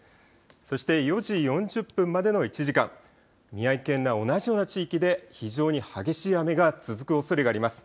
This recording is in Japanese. そして４時４０分までの１時間、宮城県内、同じような地域で非常に激しい雨が続くおそれがあります。